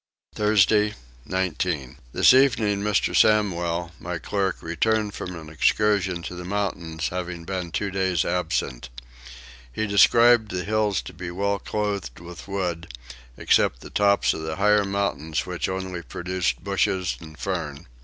Thursday 19. This evening Mr. Samwel my clerk returned from an excursion to the mountains, having been two days absent. He described the hills to be well clothed with wood, except the tops of the higher mountains which only produced bushes and fern.